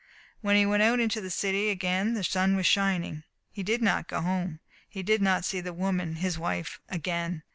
When he went out into the city again the sun was shining. He did not go home. He did not see the woman his wife again.